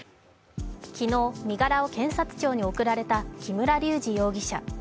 昨日、身柄を検察庁に送られた木村隆二容疑者。